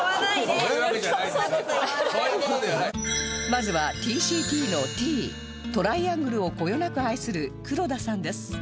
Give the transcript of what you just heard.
まずは ＴＣＴ の Ｔ トライアングルをこよなく愛する黒田さんです